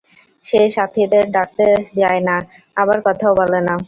সে সাথিদের ডাকতে যায় না আবার কথাও বলে না।